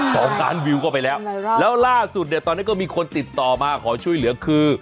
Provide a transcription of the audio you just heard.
สองล้านวิวเข้าไปแล้วแล้วล่าสุดเนี่ยตอนนี้ก็มีคนติดต่อมาขอช่วยเหลือคือ